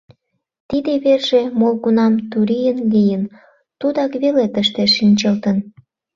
Тиде верже молгунам Турийын лийын, тудак веле тыште шинчылтын.